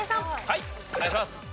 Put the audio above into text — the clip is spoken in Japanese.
はいお願いします。